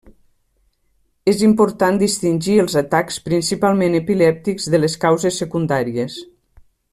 És important distingir els atacs principalment epilèptics de les causes secundàries.